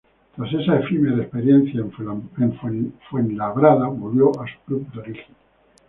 Tras esa efímera experiencia en Fuenlabrada, volvió a su club de origen.